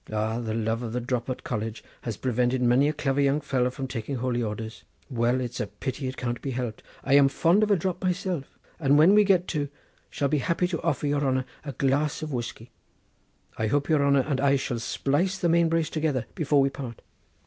Ah, the love of the drop at college has prevented many a clever young fellow from taking holy orders. Well, it's a pity, but it can't be helped. I am fond of a drop myself, and when we get to — shall be happy to offer your honour a glass of whiskey. I hope your honour and I shall splice the mainbrace together before we part."